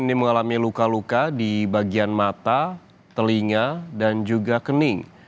ini mengalami luka luka di bagian mata telinga dan juga kening